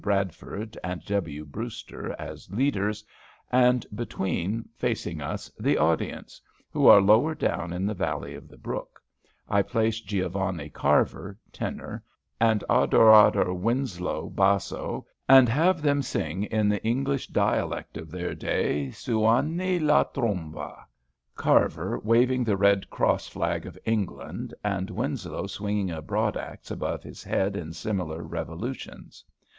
Bradford and W. Brewster as leaders and between, facing us, the audience, who are lower down in the valley of the brook, I place Giovanni Carver (tenor) and Odoardo Winslow (basso) and have them sing in the English dialect of their day, Suoni la tromba, Carver waving the red cross flag of England, and Winslow swinging a broadaxe above his head in similar revolutions.